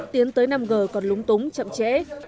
tiến tới năm g còn lúng túng chậm chẽ